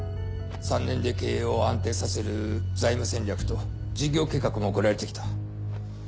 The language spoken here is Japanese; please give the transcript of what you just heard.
３年で経営を安定させる財務戦略と事業計画も送られてきた。